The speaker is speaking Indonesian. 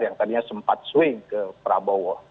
yang tadinya sempat swing ke prabowo